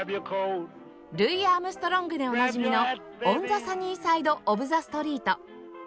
ルイ・アームストロングでおなじみの『オン・ザ・サニー・サイド・オブ・ザ・ストリート』